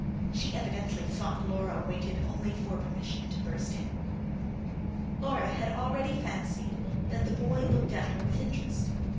She evidently thought Laura waited only for permission, to burst in. Laura had already fancied that the boy looked at her with interest.